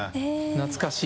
懐かしい。